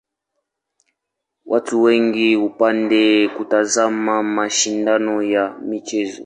Watu wengi hupenda kutazama mashindano ya michezo.